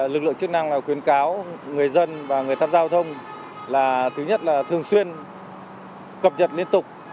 lực lượng chức năng khuyến cáo người dân và người tham gia giao thông là thứ nhất là thường xuyên cập nhật liên tục